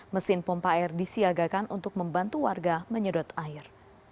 mesin pompa air disiagakan untuk membantu warga menyedot air